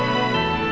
aku mau ke rumah